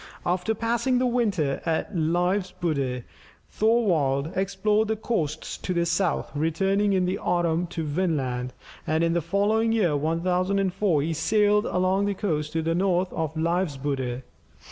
After passing the winter at Leifsbudir, Thorvald explored the coasts to the south, returning in the autumn to Vinland, and in the following year 1004, he sailed along the coast to the north of Leifsbudir.